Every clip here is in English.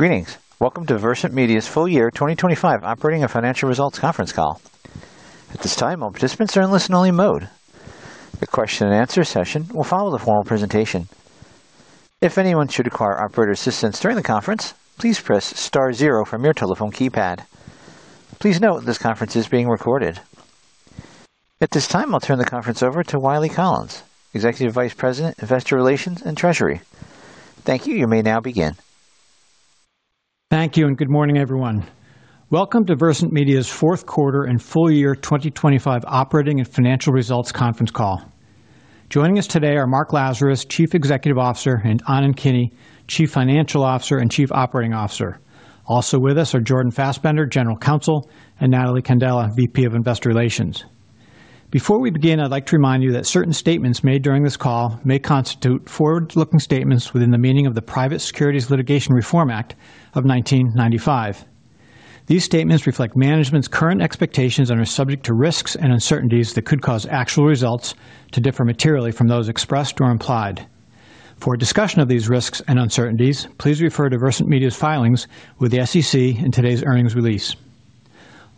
Greetings. Welcome to Versant Media's Full Year 2025 Operating and Financial Results Conference Call. At this time, all participants are in listen-only mode. The question and answer session will follow the formal presentation. If anyone should require operator assistance during the conference, please press star zero from your telephone keypad. Please note this conference is being recorded. At this time, I'll turn the conference over to Wiley Collins, Executive Vice President, Investor Relations and Treasury. Thank you. You may now begin. Thank you. Good morning, everyone. Welcome to Versant Media's fourth quarter and full year 2025 operating and financial results conference call. Joining us today are Mark Lazarus, Chief Executive Officer, and Anand Kini, Chief Financial Officer and Chief Operating Officer. Also with us are Jordan Fasbender, General Counsel, and Natalie Candela, VP of Investor Relations. Before we begin, I'd like to remind you that certain statements made during this call may constitute forward-looking statements within the meaning of the Private Securities Litigation Reform Act of 1995. These statements reflect management's current expectations and are subject to risks and uncertainties that could cause actual results to differ materially from those expressed or implied. For a discussion of these risks and uncertainties, please refer to Versant Media's filings with the SEC in today's earnings release.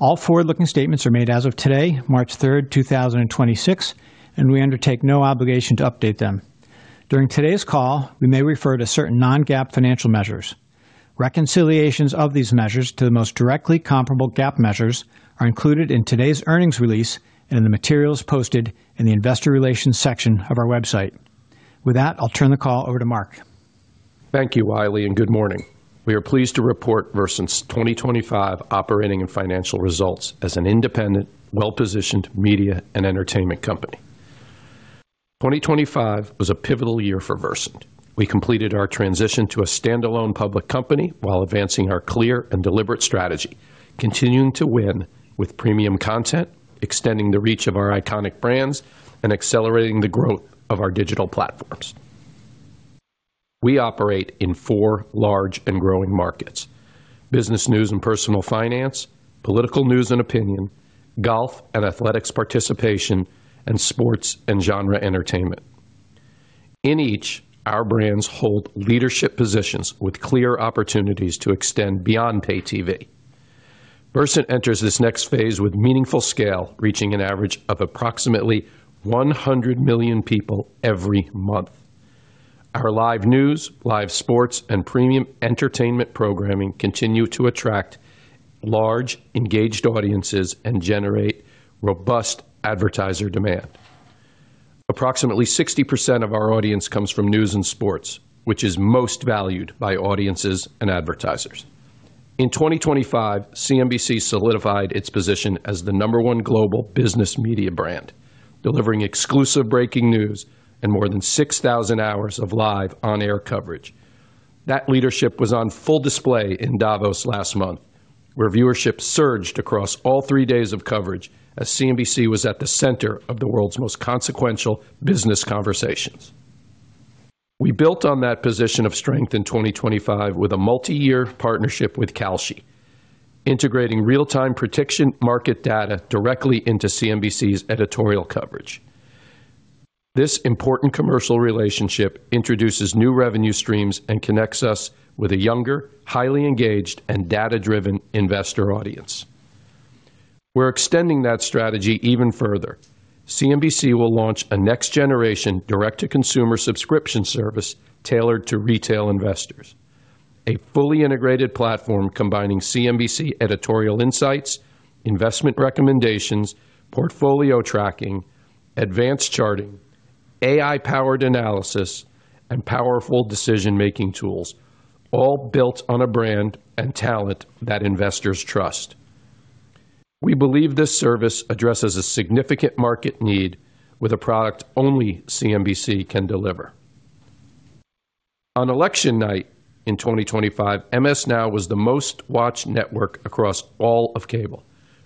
All forward-looking statements are made as of today, March 3rd, 2026, and we undertake no obligation to update them. During today's call, we may refer to certain non-GAAP financial measures. Reconciliations of these measures to the most directly comparable GAAP measures are included in today's earnings release and in the materials posted in the investor relations section of our website. With that, I'll turn the call over to Mark. Thank you, Wiley, and good morning. We are pleased to report Versant's 2025 operating and financial results as an independent, well-positioned media and entertainment company. 2025 was a pivotal year for Versant. We completed our transition to a standalone public company while advancing our clear and deliberate strategy, continuing to win with premium content, extending the reach of our iconic brands, and accelerating the growth of our digital platforms. We operate in four large and growing markets: business news and personal finance, political news and opinion, golf and athletics participation, and sports and genre entertainment. In each, our brands hold leadership positions with clear opportunities to extend beyond pay TV. Versant enters this next phase with meaningful scale, reaching an average of approximately 100 million people every month. Our live news, live sports, and premium entertainment programming continue to attract large, engaged audiences and generate robust advertiser demand. Approximately 60% of our audience comes from news and sports, which is most valued by audiences and advertisers. In 2025, CNBC solidified its position as the number one global business media brand, delivering exclusive breaking news and more than 6,000 hours of live on-air coverage. That leadership was on full display in Davos last month, where viewership surged across all three days of coverage as CNBC was at the center of the world's most consequential business conversations. We built on that position of strength in 2025 with a multi-year partnership with Kalshi, integrating real-time prediction market data directly into CNBC's editorial coverage. This important commercial relationship introduces new revenue streams and connects us with a younger, highly engaged, and data-driven investor audience. We're extending that strategy even further. CNBC will launch a next-generation direct-to-consumer subscription service tailored to retail investors. A fully integrated platform combining CNBC editorial insights, investment recommendations, portfolio tracking, advanced charting, AI-powered analysis, and powerful decision-making tools, all built on a brand and talent that investors trust. We believe this service addresses a significant market need with a product only CNBC can deliver. On election night in 2025, MS NOW was the most-watched network across all of cable,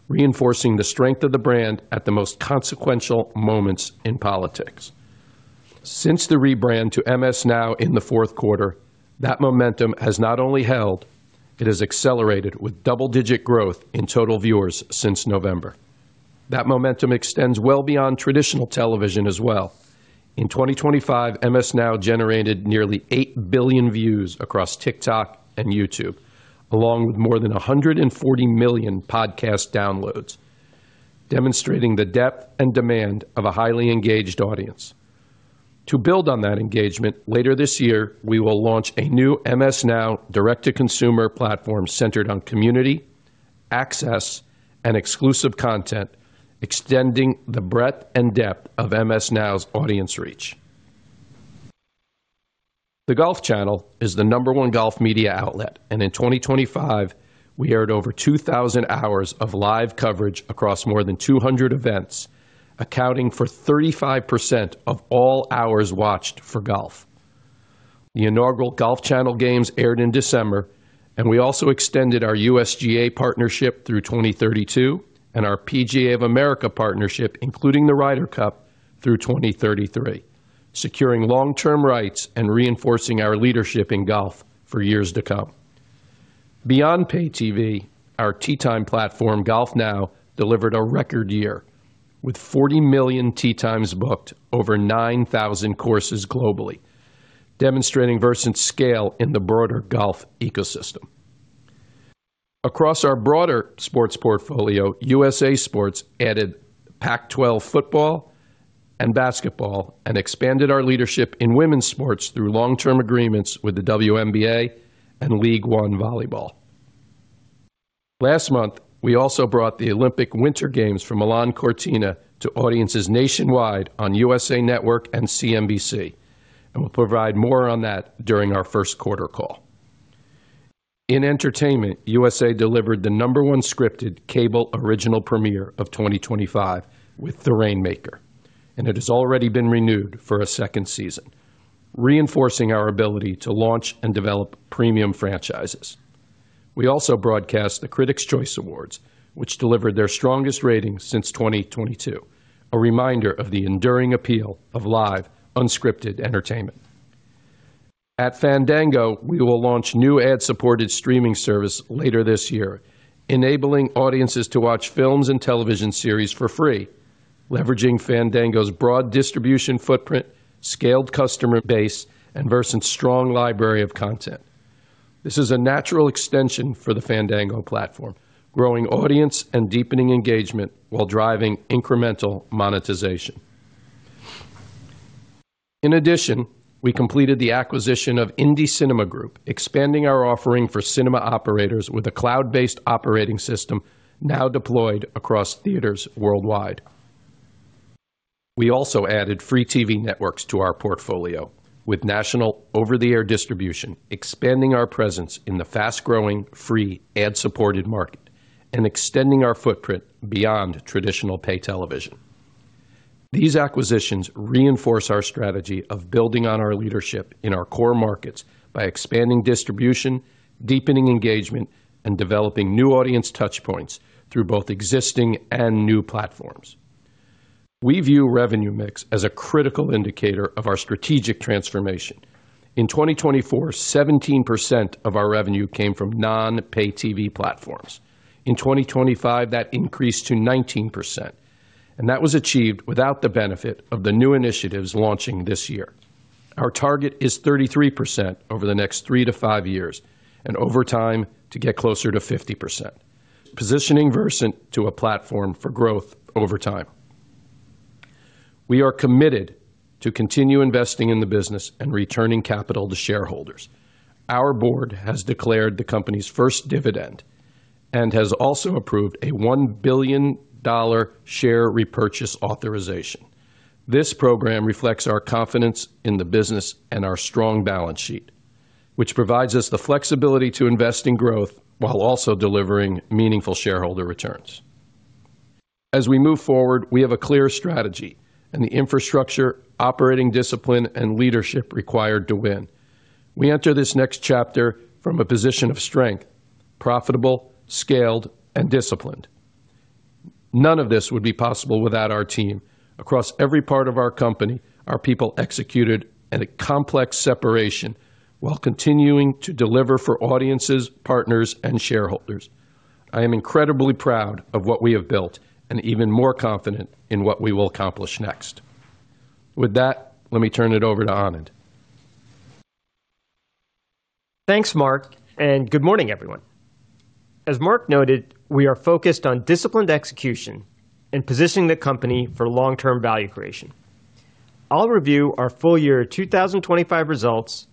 reinforcing the strength of the brand at the most consequential moments in politics. Since the rebrand to MS NOW in the fourth quarter, that momentum has not only held, it has accelerated with double-digit growth in total viewers since November. That momentum extends well beyond traditional television as well. In 2025, MS NOW generated nearly eight billion views across TikTok and YouTube, along with more than 140 million podcast downloads, demonstrating the depth and demand of a highly engaged audience. To build on that engagement, later this year, we will launch a new MS NOW direct-to-consumer platform centered on community, access, and exclusive content, extending the breadth and depth of MS NOW's audience reach. The Golf Channel is the number one golf media outlet, and in 2025, we aired over 2,000 hours of live coverage across more than 200 events, accounting for 35% of all hours watched for golf. The inaugural Golf Channel Games aired in December, and we also extended our USGA partnership through 2032 and our PGA of America partnership, including the Ryder Cup, through 2033, securing long-term rights and reinforcing our leadership in golf for years to come. Beyond pay TV, our tee time platform, GolfNow, delivered a record year with 40 million tee times booked over 9,000 courses globally, demonstrating Versant's scale in the broader golf ecosystem. Across our broader sports portfolio, USA Sports added Pac-12 football and basketball and expanded our leadership in women's sports through long-term agreements with the WNBA and League One Volleyball. Last month, we also brought the Olympic Winter Games from Milan-Cortina to audiences nationwide on USA Network and CNBC, and we'll provide more on that during our first quarter call. In entertainment, USA delivered the number one scripted cable original premiere of 2025 with The Rainmaker, and it has already been renewed for a second season, reinforcing our ability to launch and develop premium franchises. We also broadcast the Critics' Choice Awards, which delivered their strongest ratings since 2022, a reminder of the enduring appeal of live, unscripted entertainment. At Fandango, we will launch new ad-supported streaming service later this year, enabling audiences to watch films and television series for free, leveraging Fandango's broad distribution footprint, scaled customer base, and Versant's strong library of content. This is a natural extension for the Fandango platform, growing audience and deepening engagement while driving incremental monetization. In addition, we completed the acquisition of INDY Cinema Group, expanding our offering for cinema operators with a cloud-based operating system now deployed across theaters worldwide. We also added free TV networks to our portfolio with national over-the-air distribution, expanding our presence in the fast-growing, free ad-supported market and extending our footprint beyond traditional pay television. These acquisitions reinforce our strategy of building on our leadership in our core markets by expanding distribution, deepening engagement, and developing new audience touch points through both existing and new platforms. We view revenue mix as a critical indicator of our strategic transformation. In 2024, 17% of our revenue came from non-pay TV platforms. In 2025, that increased to 19%, and that was achieved without the benefit of the new initiatives launching this year. Our target is 33% over the next three-five years and over time to get closer to 50%, positioning Versant to a platform for growth over time. We are committed to continue investing in the business and returning capital to shareholders. Our board has declared the company's first dividend and has also approved a $1 billion share repurchase authorization. This program reflects our confidence in the business and our strong balance sheet, which provides us the flexibility to invest in growth while also delivering meaningful shareholder returns. As we move forward, we have a clear strategy and the infrastructure, operating discipline, and leadership required to win. We enter this next chapter from a position of strength, profitable, scaled, and disciplined. None of this would be possible without our team. Across every part of our company, our people executed at a complex separation while continuing to deliver for audiences, partners, and shareholders. I am incredibly proud of what we have built and even more confident in what we will accomplish next. With that, let me turn it over to Anand. Thanks, Mark. Good morning, everyone. As Mark noted, we are focused on disciplined execution and positioning the company for long-term value creation. I'll review our full year 2025 results,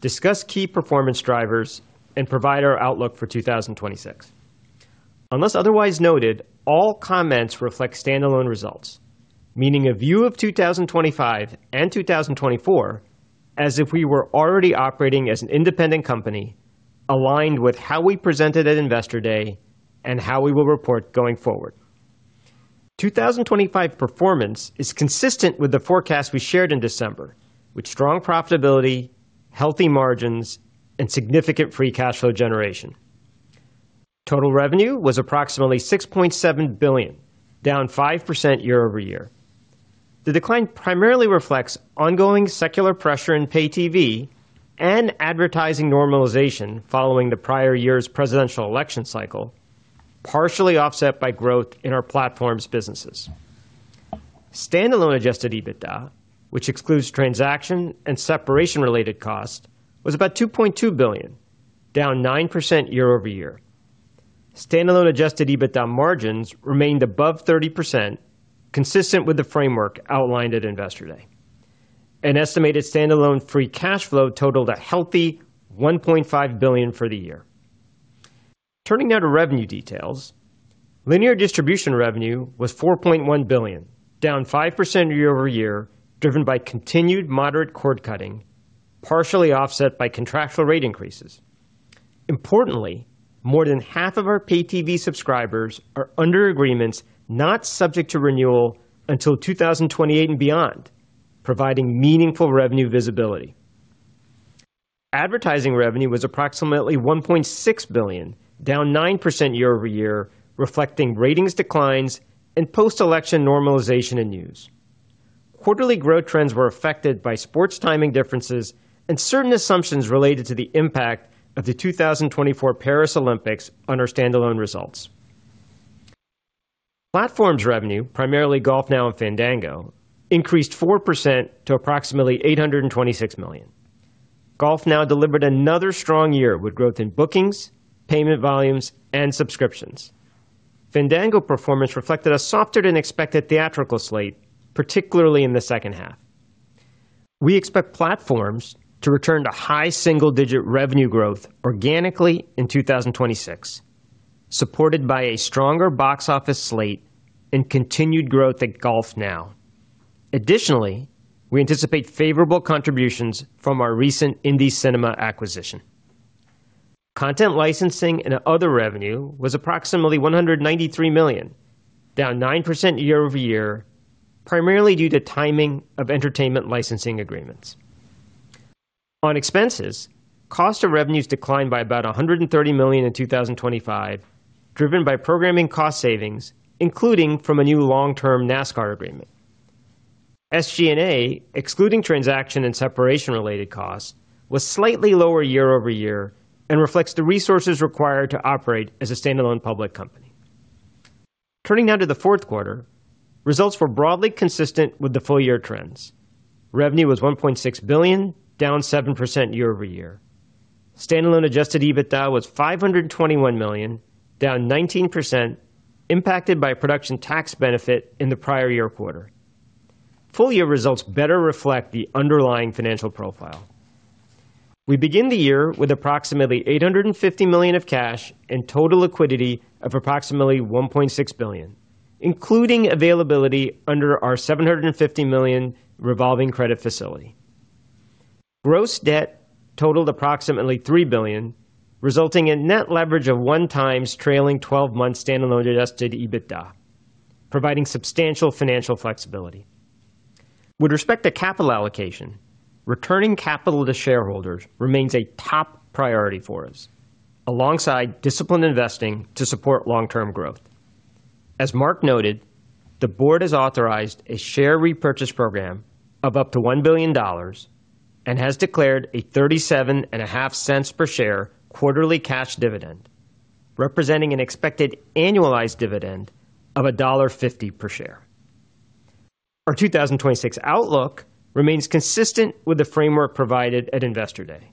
discuss key performance drivers, and provide our outlook for 2026. Unless otherwise noted, all comments reflect standalone results, meaning a view of 2025 and 2024 as if we were already operating as an independent company aligned with how we presented at Investor Day and how we will report going forward. 2025 performance is consistent with the forecast we shared in December, with strong profitability, healthy margins, and significant free cash flow generation. Total revenue was approximately $6.7 billion, down 5% YoY. The decline primarily reflects ongoing secular pressure in pay TV and advertising normalization following the prior year's presidential election cycle, partially offset by growth in our platforms businesses. Standalone adjusted EBITDA, which excludes transaction and separation related costs, was about $2.2 billion, down 9% YoY. Standalone adjusted EBITDA margins remained above 30%, consistent with the framework outlined at Investor Day. An estimated standalone free cash flow totaled a healthy $1.5 billion for the year. Turning now to revenue details. Linear distribution revenue was $4.1 billion, down 5% YoY, driven by continued moderate cord-cutting, partially offset by contractual rate increases. Importantly, more than half of our pay TV subscribers are under agreements not subject to renewal until 2028 and beyond, providing meaningful revenue visibility. Advertising revenue was approximately $1.6 billion, down 9% YoY, reflecting ratings declines and post-election normalization in news. Quarterly growth trends were affected by sports timing differences and certain assumptions related to the impact of the 2024 Paris Olympics on our standalone results. Platforms revenue, primarily GolfNow and Fandango, increased 4% to approximately $826 million. GolfNow delivered another strong year with growth in bookings, payment volumes and subscriptions. Fandango performance reflected a softer-than-expected theatrical slate, particularly in the second half. We expect platforms to return to high single-digit revenue growth organically in 2026, supported by a stronger box office slate and continued growth at GolfNow. Additionally, we anticipate favorable contributions from our recent INDY Cinema acquisition. Content licensing and other revenue was approximately $193 million, down 9% YoY, primarily due to timing of entertainment licensing agreements. On expenses, cost of revenues declined by about $130 million in 2025, driven by programming cost savings, including from a new long-term NASCAR agreement. SG&A, excluding transaction and separation related costs, was slightly lower YoY and reflects the resources required to operate as a standalone public company. Turning now to the fourth quarter, results were broadly consistent with the full year trends. Revenue was $1.6 billion, down 7% YoY. Standalone adjusted EBITDA was $521 million, down 19%, impacted by a production tax benefit in the prior year quarter. Full year results better reflect the underlying financial profile. We begin the year with approximately $850 million of cash and total liquidity of approximately $1.6 billion, including availability under our $750 million revolving credit facility. Gross debt totaled approximately $3 billion, resulting in net leverage of one times trailing twelve months standalone adjusted EBITDA, providing substantial financial flexibility. With respect to capital allocation, returning capital to shareholders remains a top priority for us, alongside disciplined investing to support long-term growth. As Mark noted, the board has authorized a share repurchase program of up to $1 billion and has declared a thirty-seven and a half cents per share quarterly cash dividend, representing an expected annualized dividend of $1.50 per share. Our 2026 outlook remains consistent with the framework provided at Investor Day.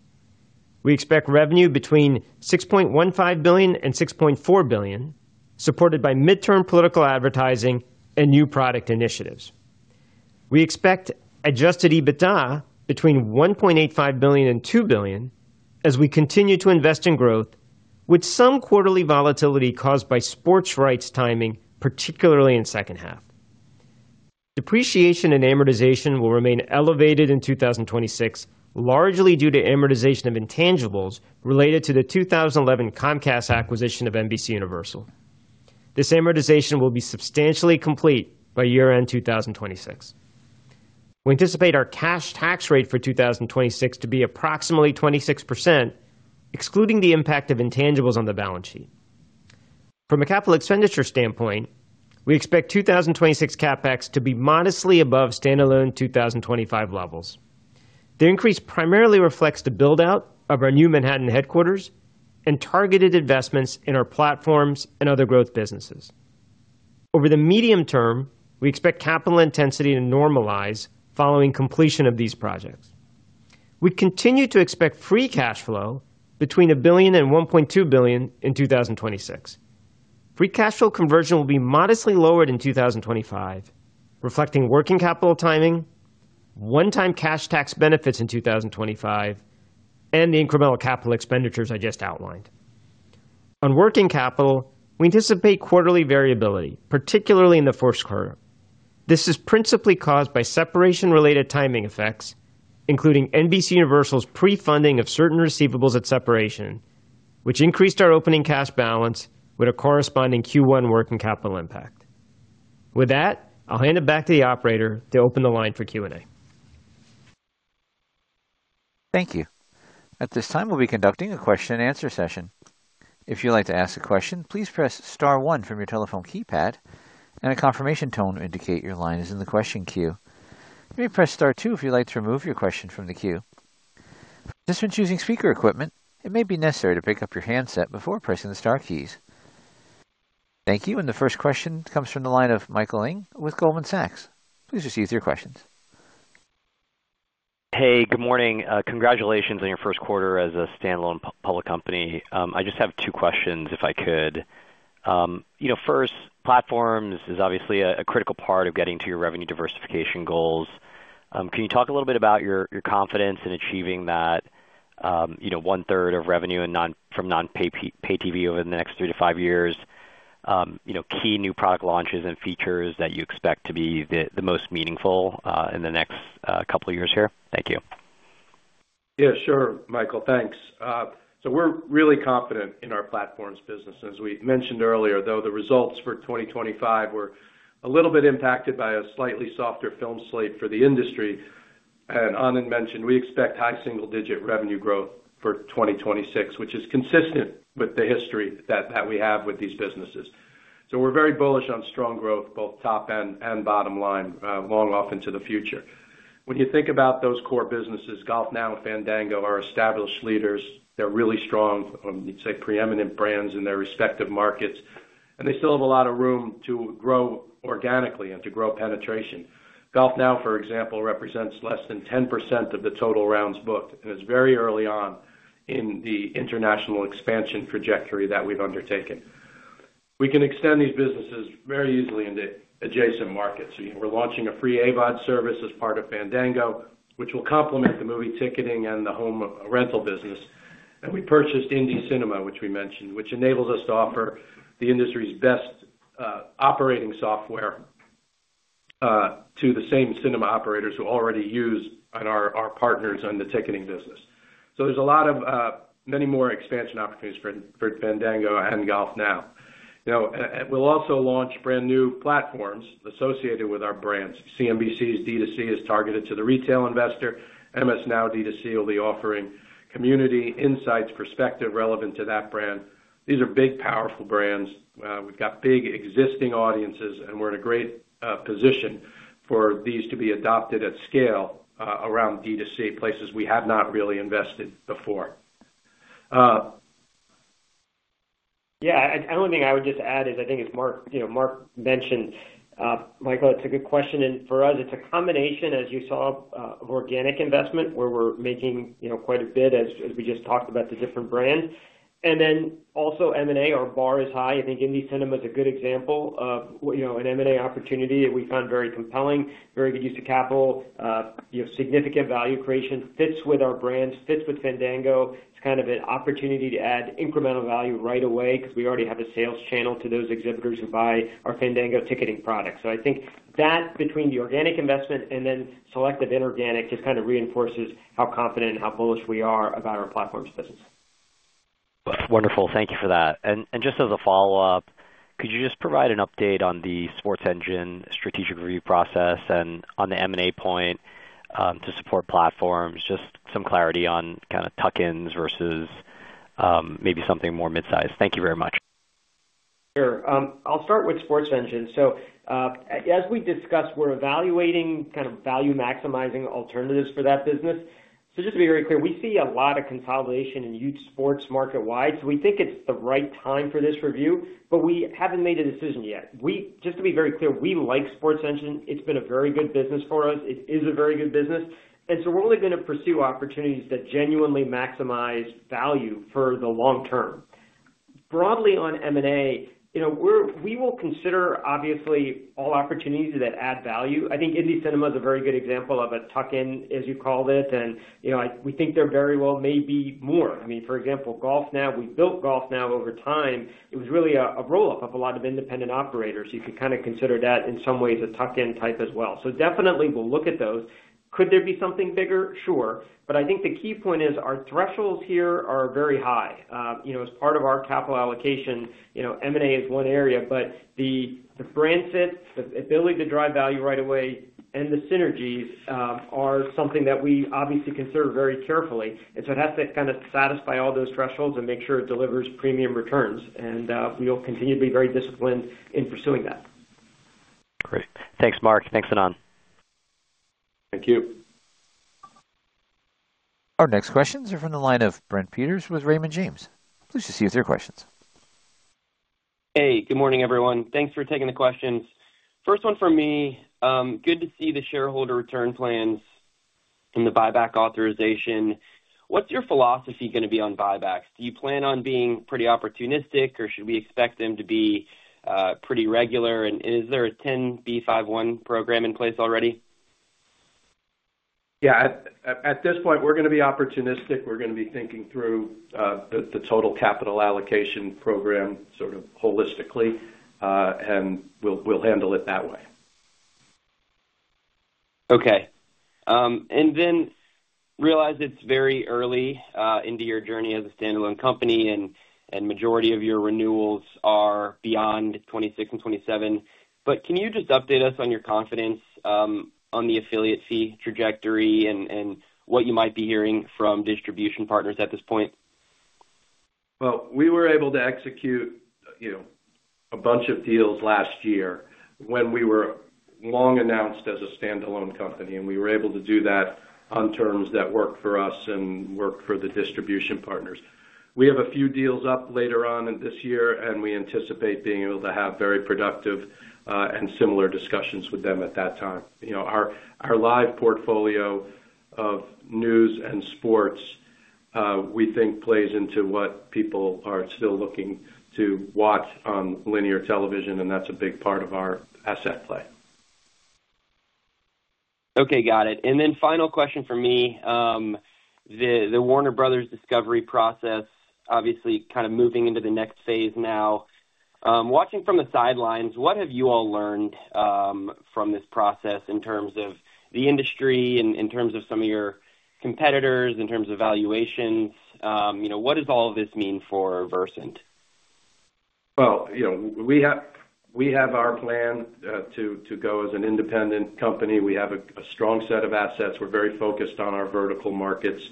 We expect revenue between $6.15 billion and $6.4 billion, supported by midterm political advertising and new product initiatives. We expect adjusted EBITDA between $1.85 billion and $2 billion as we continue to invest in growth, with some quarterly volatility caused by sports rights timing, particularly in second half. Depreciation and amortization will remain elevated in 2026, largely due to amortization of intangibles related to the 2011 Comcast acquisition of NBCUniversal. This amortization will be substantially complete by year-end 2026. We anticipate our cash tax rate for 2026 to be approximately 26%, excluding the impact of intangibles on the balance sheet. From a capital expenditure standpoint, we expect 2026 CapEx to be modestly above standalone 2025 levels. The increase primarily reflects the build-out of our new Manhattan headquarters and targeted investments in our platforms and other growth businesses. Over the medium term, we expect capital intensity to normalize following completion of these projects. We continue to expect free cash flow between $1 billion and $1.2 billion in 2026. Free cash flow conversion will be modestly lowered in 2025, reflecting working capital timing, one-time cash tax benefits in 2025, and the incremental capital expenditures I just outlined. On working capital, we anticipate quarterly variability, particularly in the first quarter. This is principally caused by separation-related timing effects, including NBCUniversal's pre-funding of certain receivables at separation, which increased our opening cash balance with a corresponding Q1 working capital impact. With that, I'll hand it back to the operator to open the line for Q&A. Thank you. At this time, we'll be conducting a question-and-answer session. If you'd like to ask a question, please press star one from your telephone keypad, and a confirmation tone will indicate your line is in the question queue. You may press star two if you'd like to remove your question from the queue. Participants using speaker equipment, it may be necessary to pick up your handset before pressing the star keys. Thank you. The first question comes from the line of Mike Ng with Goldman Sachs. Please just use your questions. Hey, good morning. Congratulations on your first quarter as a standalone public company. I just have two questions, if I could. You know, first, platforms is obviously a critical part of getting to your revenue diversification goals. Can you talk a little bit about your confidence in achieving that, you know, 1/3 of revenue from non-pay TV over the next three-five years, you know, key new product launches and features that you expect to be the most meaningful in the next couple of years here? Thank you. Yeah, sure, Michael, thanks. We're really confident in our platforms business. As we mentioned earlier, though, the results for 2025 were a little bit impacted by a slightly softer film slate for the industry. Anand mentioned, we expect high single-digit revenue growth for 2026, which is consistent with the history that we have with these businesses. We're very bullish on strong growth, both top and bottom line, long off into the future. When you think about those core businesses, GolfNow and Fandango are established leaders. They're really strong, you'd say preeminent brands in their respective markets. They still have a lot of room to grow organically and to grow penetration. GolfNow, for example, represents less than 10% of the total rounds booked, and it's very early on in the international expansion trajectory that we've undertaken. We can extend these businesses very easily into adjacent markets. We're launching a free AVOD service as part of Fandango, which will complement the movie ticketing and the home rental business. We purchased INDY Cinema, which we mentioned, which enables us to offer the industry's best operating software to the same cinema operators who already use and are our partners on the ticketing business. There's a lot of many more expansion opportunities for Fandango and GolfNow. You know, and we'll also launch brand new platforms associated with our brands. CNBC's D2C is targeted to the retail investor. MS NOW D2C will be offering community insights perspective relevant to that brand. These are big, powerful brands. We've got big existing audiences, and we're in a great position for these to be adopted at scale around D2C places we have not really invested before. Only thing I would just add is I think as Mark, you know, Mark mentioned, Mike, it's a good question. For us, it's a combination, as you saw, of organic investment where we're making, you know, quite a bit as we just talked about the different brands. Then also M&A, our bar is high. I think INDY Cinema is a good example of, you know, an M&A opportunity that we found very compelling, very good use of capital, significant value creation, fits with our brands, fits with Fandango. It's kind of an opportunity to add incremental value right away because we already have a sales channel to those exhibitors who buy our Fandango ticketing products. I think that between the organic investment and then selective inorganic just kind of reinforces how confident and how bullish we are about our platforms business. Wonderful. Thank you for that. Just as a follow-up, could you just provide an update on the SportsEngine strategic review process and on the M&A point, to support platforms, just some clarity on kind of tuck-ins versus, maybe something more mid-sized. Thank you very much. Sure. I'll start with SportsEngine. As we discussed, we're evaluating kind of value-maximizing alternatives for that business. Just to be very clear, we see a lot of consolidation in youth sports market wide, so we think it's the right time for this review, but we haven't made a decision yet. Just to be very clear, we like SportsEngine. It's been a very good business for us. It is a very good business. We're only gonna pursue opportunities that genuinely maximize value for the long term. Broadly on M&A, you know, we will consider, obviously, all opportunities that add value. I think INDY Cinema is a very good example of a tuck-in, as you called it. You know, we think there very well may be more. I mean, for example, GolfNow, we built GolfNow over time. It was really a roll-up of a lot of independent operators. You could kind of consider that in some ways a tuck-in type as well. Definitely we'll look at those. Could there be something bigger? Sure. I think the key point is our thresholds here are very high. You know, as part of our capital allocation, you know, M&A is one area, but the brand fit, the ability to drive value right away and the synergies are something that we obviously consider very carefully. It has to kind of satisfy all those thresholds and make sure it delivers premium returns. We'll continue to be very disciplined in pursuing that. Great. Thanks, Mark. Thanks, Anand. Thank you. Our next questions are from the line of Greg Peters with Raymond James. Please just us your questions. Hey, good morning, everyone. Thanks for taking the questions. First one from me. Good to see the shareholder return plans in the buyback authorization. What's your philosophy gonna be on buybacks? Do you plan on being pretty opportunistic, or should we expect them to be pretty regular? Is there a 10b5-1 program in place already? Yeah. At this point, we're gonna be opportunistic. We're gonna be thinking through the total capital allocation program sort of holistically, and we'll handle it that way. Okay. Realize it's very early into your journey as a standalone company and majority of your renewals are beyond 2026 and 2027. Can you just update us on your confidence on the affiliate fee trajectory and what you might be hearing from distribution partners at this point? Well, we were able to execute, you know, a bunch of deals last year when we were long announced as a standalone company. We were able to do that on terms that work for us and work for the distribution partners. We have a few deals up later on in this year. We anticipate being able to have very productive and similar discussions with them at that time. You know, our live portfolio of news and sports, we think plays into what people are still looking to watch on linear television. That's a big part of our asset play. Okay, got it. Final question from me. The Warner Bros. Discovery process obviously kind of moving into the next phase now. Watching from the sidelines, what have you all learned from this process in terms of the industry and in terms of some of your competitors, in terms of valuation? You know, what does all of this mean for Versant? Well, you know, we have our plan to go as an independent company. We have a strong set of assets. We're very focused on our vertical markets.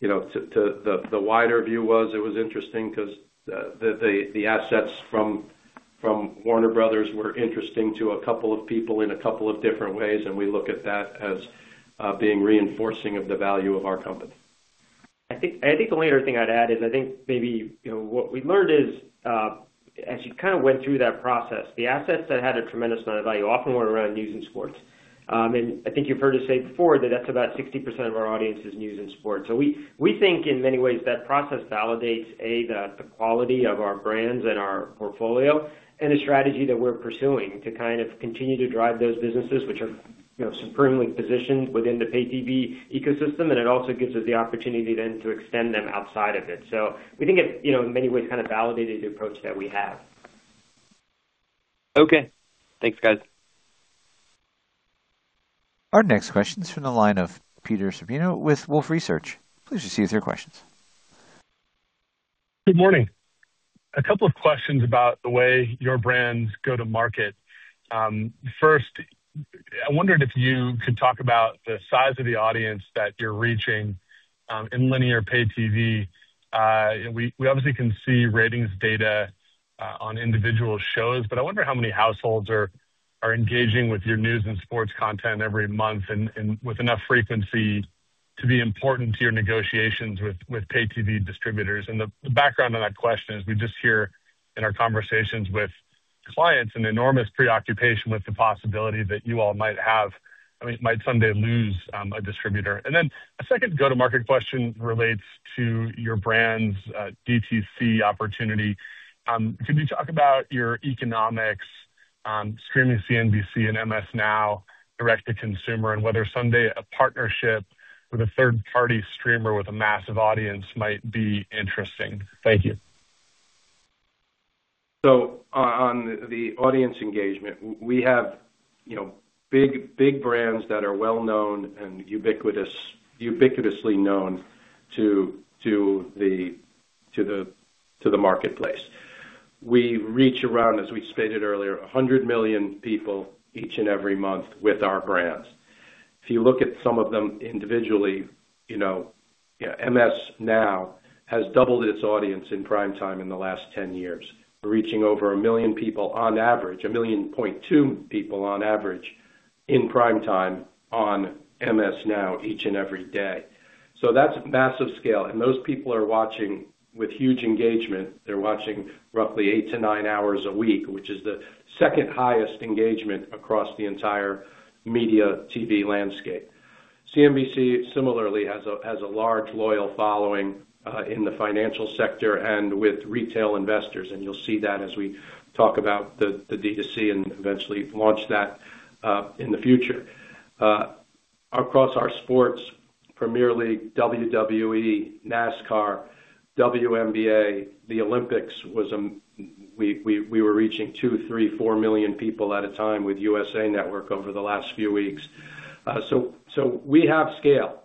You know, to the wider view was, it was interesting 'cause the assets from Warner Brothers were interesting to a couple of people in a couple of different ways, and we look at that as being reinforcing of the value of our company. I think, I think the only other thing I'd add is I think maybe, you know, what we learned is, as you kind of went through that process, the assets that had a tremendous amount of value often were around news and sports. I think you've heard us say before that that's about 60% of our audience is news and sports. We, we think in many ways that process validates, A. the quality of our brands and our portfolio and the strategy that we're pursuing to kind of continue to drive those businesses, which are, you know, supremely positioned within the pay TV ecosystem, and it also gives us the opportunity then to extend them outside of it. We think it, you know, in many ways kind of validated the approach that we have. Okay. Thanks, guys. Our next question is from the line of Peter Supino with Wolfe Research. Please proceed with your questions. Good morning. A couple of questions about the way your brands go to market. First, I wondered if you could talk about the size of the audience that you're reaching, in linear pay TV. We obviously can see ratings data, on individual shows, but I wonder how many households are engaging with your news and sports content every month and with enough frequency to be important to your negotiations with pay TV distributors. The background on that question is we just hear in our conversations with clients an enormous preoccupation with the possibility that you all might have, I mean, might someday lose, a distributor. A second go-to-market question relates to your brand's DTC opportunity. Can you talk about your economics on streaming CNBC and MS NOW direct to consumer and whether someday a partnership with a third-party streamer with a massive audience might be interesting? Thank you. On the audience engagement, we have, you know, big brands that are well known and ubiquitously known to the marketplace. We reach around, as we stated earlier, 100 million people each and every month with our brands. If you look at some of them individually, you know, yeah, MS NOW has doubled its audience in prime time in the last 10 years, reaching over one million people on average, 1.2 million people on average in prime time on MS NOW each and every day. That's massive scale, and those people are watching with huge engagement. They're watching roughly eight-nine hours a week, which is the second highest engagement across the entire media TV landscape. CNBC similarly has a large loyal following in the financial sector. You'll see that as we talk about the D2C and eventually launch that in the future. Across our sports, Premier League, WWE, NASCAR, WNBA, we were reaching two, three, four million people at a time with USA Network over the last few weeks. So we have scale,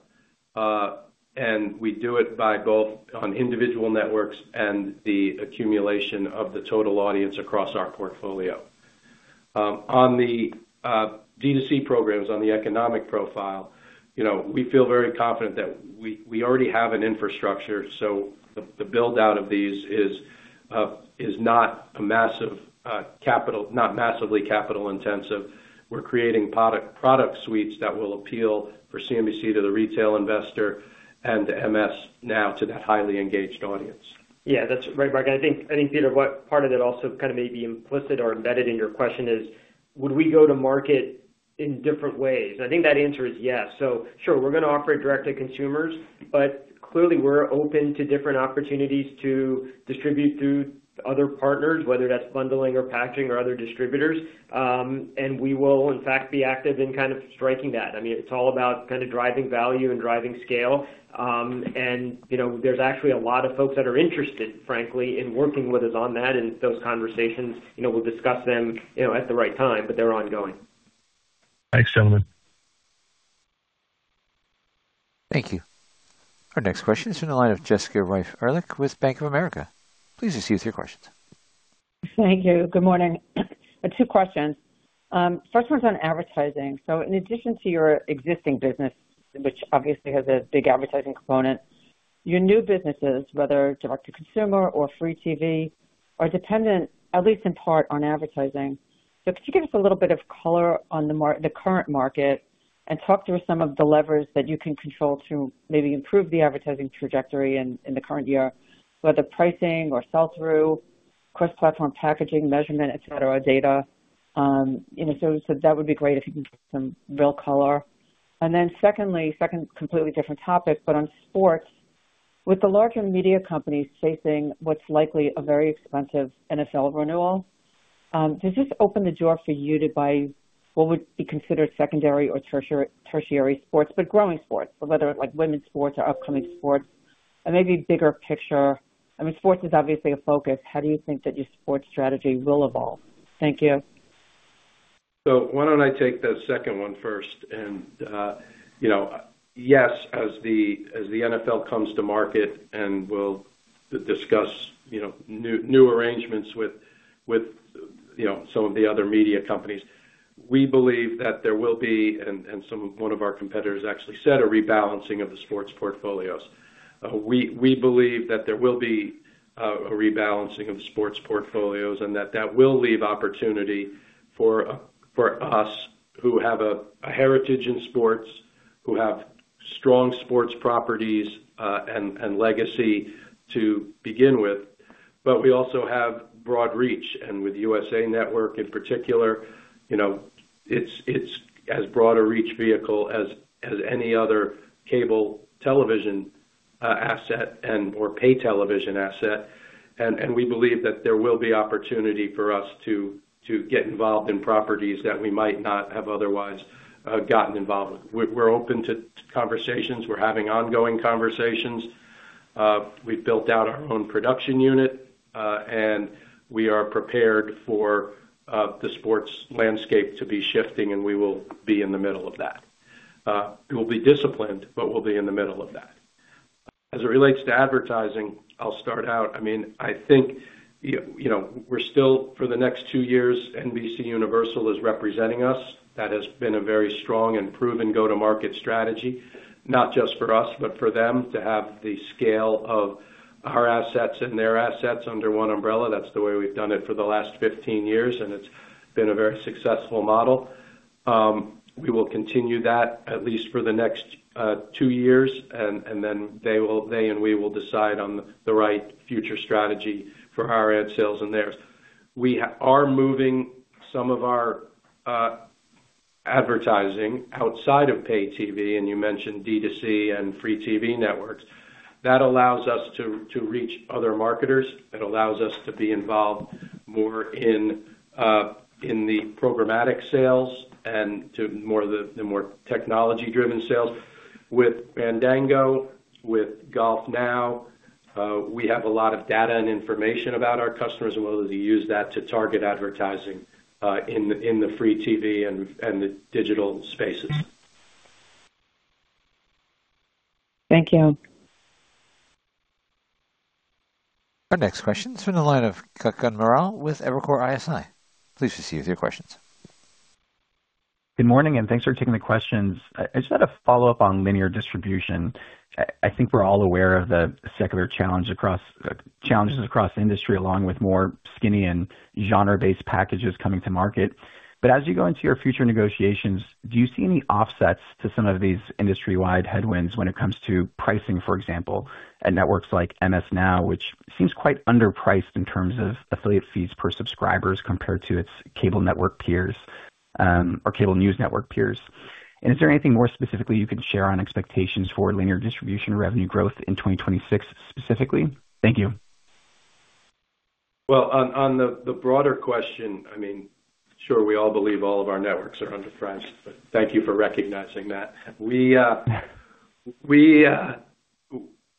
and we do it by both on individual networks and the accumulation of the total audience across our portfolio. On the D2C programs, on the economic profile, you know, we feel very confident that we already have an infrastructure, so the build-out of these is not massively capital-intensive. We're creating product suites that will appeal for CNBC to the retail investor and MS NOW to that highly engaged audience. Yeah, that's right, Mark. I think, Peter, what part of it also kind of maybe implicit or embedded in your question is, would we go to market in different ways? I think that answer is yes. Sure, we're gonna offer it direct to consumers, but clearly we're open to different opportunities to distribute through other partners, whether that's bundling or packaging or other distributors. We will in fact be active in kind of striking that. I mean, it's all about kinda driving value and driving scale. You know, there's actually a lot of folks that are interested, frankly, in working with us on that and those conversations. You know, we'll discuss them, you know, at the right time, but they're ongoing. Thanks, gentlemen. Thank you. Our next question is from the line of Jessica Reif Ehrlich with Bank of America. Please proceed with your questions. Thank you. Good morning. Two questions. First one's on advertising. In addition to your existing business, which obviously has a big advertising component, your new businesses, whether direct to consumer or free TV, are dependent, at least in part, on advertising. Could you give us a little bit of color on the current market and talk through some of the levers that you can control to maybe improve the advertising trajectory in the current year, whether pricing or sell-through, cross-platform packaging, measurement, etc., data. you know, that would be great if you can give some real color. Secondly, second completely different topic, but on sports. With the larger media companies facing what's likely a very expensive NFL renewal, does this open the door for you to buy what would be considered secondary or tertiary sports, but growing sports, so whether like women's sports or upcoming sports and maybe bigger picture? I mean, sports is obviously a focus. How do you think that your sports strategy will evolve? Thank you. Why don't I take the second one first and, you know, yes, as the NFL comes to market and we'll discuss, you know, new arrangements with, you know, some of the other media companies, we believe that there will be and one of our competitors actually said, a rebalancing of the sports portfolios. We believe that there will be a rebalancing of sports portfolios and that will leave opportunity for us who have a heritage in sports, who have strong sports properties, and legacy to begin with. We also have broad reach. With USA Network in particular, you know, it's as broad a reach vehicle as any other cable television, asset and or pay television asset. We believe that there will be opportunity for us to get involved in properties that we might not have otherwise gotten involved with. We're open to conversations. We're having ongoing conversations. We've built out our own production unit, and we are prepared for the sports landscape to be shifting, and we will be in the middle of that. We'll be disciplined, but we'll be in the middle of that. As it relates to advertising, I'll start out. I mean, I think, you know, we're still for the next two years, NBCUniversal is representing us. That has been a very strong and proven go-to-market strategy, not just for us but for them to have the scale of our assets and their assets under one umbrella. That's the way we've done it for the last 15 years, and it's been a very successful model. We will continue that at least for the next two years and then they and we will decide on the right future strategy for our ad sales and theirs. We are moving some of our advertising outside of paid TV, and you mentioned D2C and free TV networks. That allows us to reach other marketers. It allows us to be involved more in the programmatic sales and to more of the more technology-driven sales. With Fandango, with GolfNow, we have a lot of data and information about our customers and we'll use that to target advertising in the free TV and the digital spaces. Thank you. Our next question is from the line of Kutgun Maral with Evercore ISI. Please proceed with your questions. Good morning, and thanks for taking the questions. I just had a follow-up on linear distribution. I think we're all aware of the secular challenge across challenges across industry, along with more skinny and genre-based packages coming to market. As you go into your future negotiations, do you see any offsets to some of these industry-wide headwinds when it comes to pricing, for example, at networks like MS NOW, which seems quite underpriced in terms of affiliate fees per subscribers compared to its cable network peers, or cable news network peers? Is there anything more specifically you can share on expectations for linear distribution revenue growth in 2026 specifically? Thank you. Well, on the broader question, I mean, sure, we all believe all of our networks are underpriced, but thank you for recognizing that. We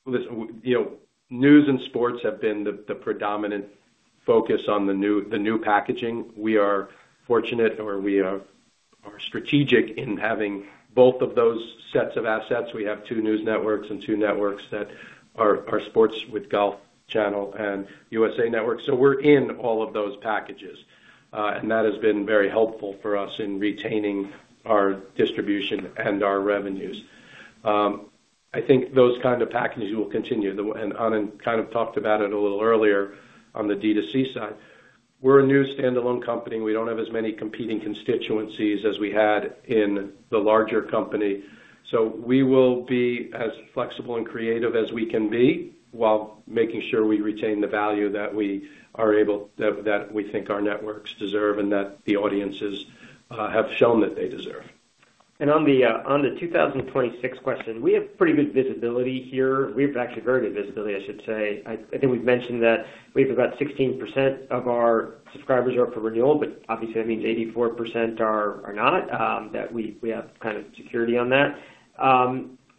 Listen, you know, news and sports have been the predominant focus on the new packaging. We are fortunate or we are strategic in having both of those sets of assets. We have two news networks and two networks that are sports with Golf Channel and USA Network. We're in all of those packages, and that has been very helpful for us in retaining our distribution and our revenues. I think those kind of packages will continue, and Anand kind of talked about it a little earlier on the D2C side. We're a new standalone company. We don't have as many competing constituencies as we had in the larger company. We will be as flexible and creative as we can be while making sure we retain the value that we think our networks deserve and that the audiences have shown that they deserve. On the 2026 question, we have pretty good visibility here. We have actually very good visibility, I should say. I think we've mentioned that we have about 16% of our subscribers are up for renewal, but obviously that means 84% are not, that we have kind of security on that.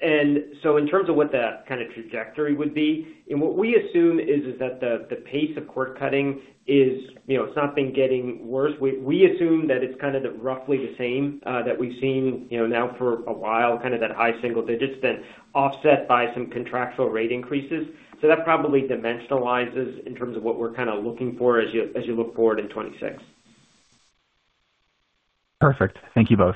In terms of what that kind of trajectory would be, and what we assume is that the pace of cord cutting is, you know, it's not been getting worse. We assume that it's kind of the roughly the same that we've seen, you know, now for a while, kind of that high single digits then offset by some contractual rate increases. That probably dimensionalizes in terms of what we're kind of looking for as you look forward in 2026. Perfect. Thank you both.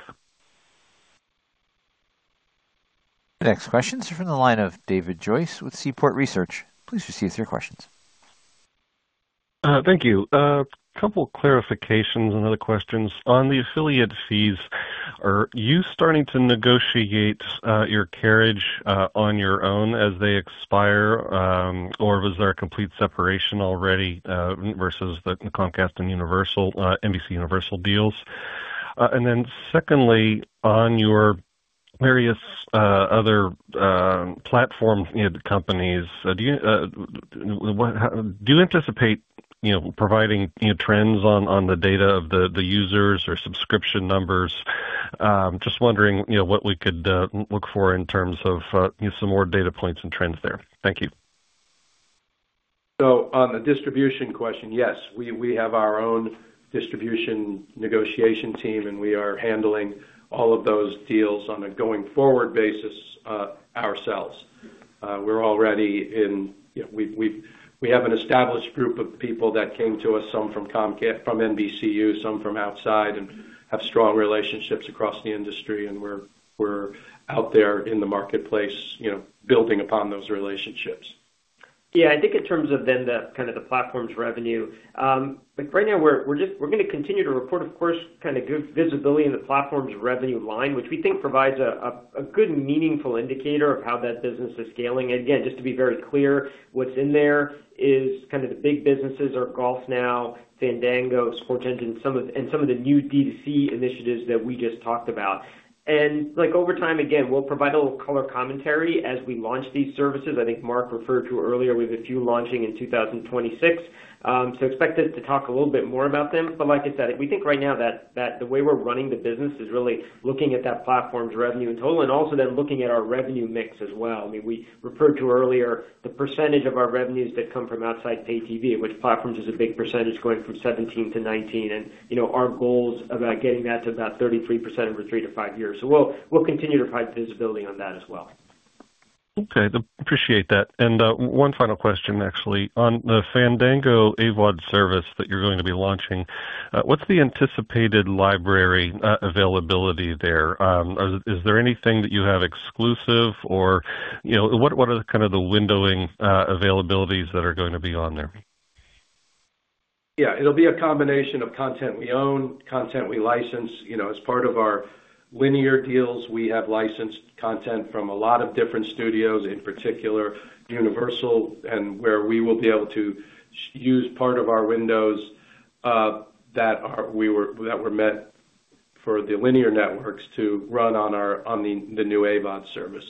Next questions are from the line of David Joyce with Seaport Research. Please proceed with your questions. Thank you. A couple clarifications and other questions. On the affiliate fees, are you starting to negotiate your carriage on your own as they expire, or was there a complete separation already versus the Comcast and Universal NBCUniversal deals? Secondly, on your various other platform companies, do you anticipate, you know, providing, you know, trends on the data of the users or subscription numbers? Just wondering, you know, what we could look for in terms of some more data points and trends there. Thank you. On the distribution question, yes, we have our own distribution negotiation team, and we are handling all of those deals on a going forward basis, ourselves. We have an established group of people that came to us, some from NBCU, some from outside, and have strong relationships across the industry, and we're out there in the marketplace, you know, building upon those relationships. Yeah. I think in terms of the kind of the platform's revenue, like right now we're gonna continue to report, of course, kind of good visibility in the platform's revenue line, which we think provides a good meaningful indicator of how that business is scaling. Again, just to be very clear, what's in there is kind of the big businesses are GolfNow, Fandango, SportsEngine, and some of the new D2C initiatives that we just talked about. Like over time, again, we'll provide a little color commentary as we launch these services. I think Mark referred to earlier, we have a few launching in 2026. Expect us to talk a little bit more about them. Like I said, we think right now that the way we're running the business is really looking at that platform's revenue in total and also then looking at our revenue mix as well. I mean, we referred to earlier the percentage of our revenues that come from outside pay TV, which platforms is a big percentage going from 17-19. You know, our goals about getting that to about 33% over three-five years. We'll, we'll continue to provide visibility on that as well. Okay. Appreciate that. One final question, actually. On the Fandango AVOD service that you're going to be launching, what's the anticipated library, availability there? Is there anything that you have exclusive or, you know, what are the kind of the windowing, availabilities that are going to be on there? Yeah. It'll be a combination of content we own, content we license. You know, as part of our linear deals, we have licensed content from a lot of different studios, in particular Universal, and where we will be able to use part of our windows that were meant for the linear networks to run on our, on the new AVOD service.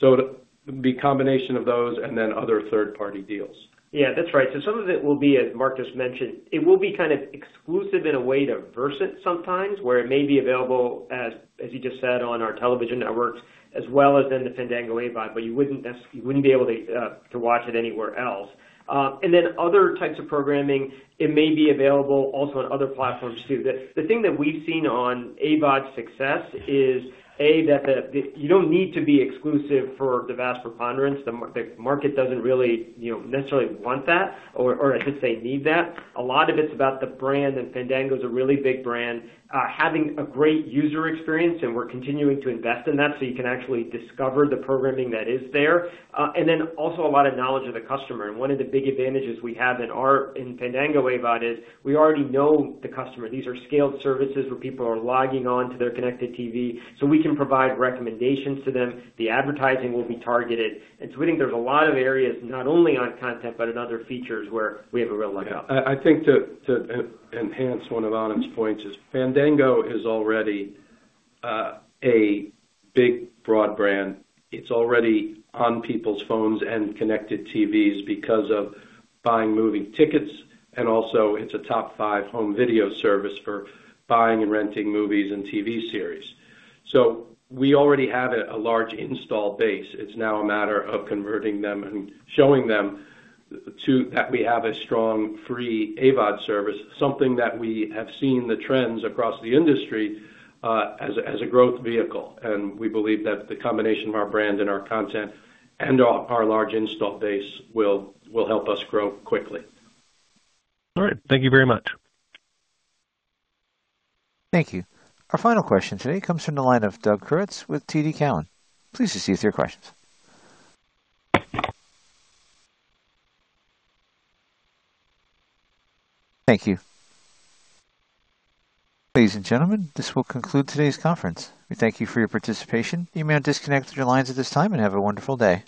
It'll be a combination of those and then other third-party deals. Yeah, that's right. Some of it will be, as Mark just mentioned, it will be kind of exclusive in a way to Versant sometimes where it may be available as you just said, on our television networks as well as in the Fandango AVOD, you wouldn't be able to watch it anywhere else. Other types of programming, it may be available also on other platforms too. The thing that we've seen on AVOD success is, A, that the you don't need to be exclusive for the vast preponderance. The market doesn't really, you know, necessarily want that or I should say need that. A lot of it's about the brand, and Fandango is a really big brand. Having a great user experience, and we're continuing to invest in that, so you can actually discover the programming that is there. Also a lot of knowledge of the customer. One of the big advantages we have in our, in Fandango AVOD is we already know the customer. These are scaled services where people are logging on to their connected TV, so we can provide recommendations to them. The advertising will be targeted. We think there's a lot of areas, not only on content, but in other features where we have a real leg up. I think to enhance one of Adam's points is Fandango is already a big broad brand. It's already on people's phones and connected TVs because of buying movie tickets, and also it's a top five home video service for buying and renting movies and TV series. We already have a large install base. It's now a matter of converting them and showing them that we have a strong free AVOD service, something that we have seen the trends across the industry as a growth vehicle. We believe that the combination of our brand and our content and our large install base will help us grow quickly. All right. Thank you very much. Thank you. Our final question today comes from the line of Doug Creutz with TD Cowen. Please proceed with your questions. Thank you. Ladies and gentlemen, this will conclude today's conference. We thank you for your participation. You may disconnect your lines at this time, and have a wonderful day.